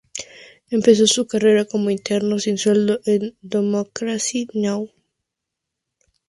Empezó su carrera como un interno sin sueldo en "Democracy Now!".